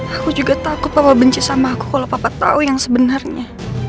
aku juga takut papa benci sama aku kalau papa tahu yang sebenarnya